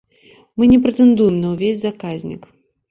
Мы не прэтэндуем на ўвесь заказнік.